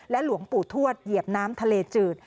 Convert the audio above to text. หลวงปู่ทวดเหยียบน้ำทะเลจืด